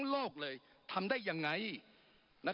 ปรับไปเท่าไหร่ทราบไหมครับ